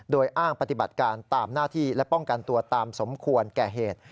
โดยอ้างปฏิบัติการตามหน้าที่และป้องกันตัวตามสมควรแก่เหตุ